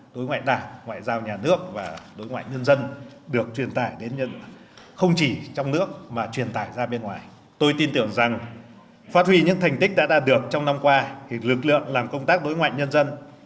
tích đã đạt được trong năm qua lực lượng làm công tác đối ngoại nhân dân